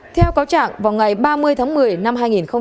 theo cáo trạng vào ngày ba mươi tháng một mươi năm hai nghìn hai mươi